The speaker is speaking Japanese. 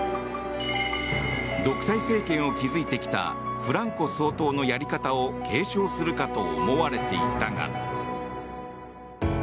独裁政権を築いてきたフランコ総統のやり方を継承するかと思われていたが。